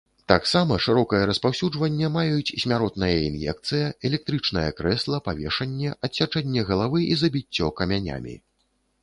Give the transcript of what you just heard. Таксама шырокае распаўсюджванне маюць смяротная ін'екцыя, электрычнае крэсла, павешанне, адсячэнне галавы і забіццё камянямі.